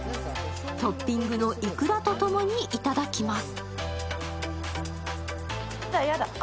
トッピングのいくらとともにいただきます。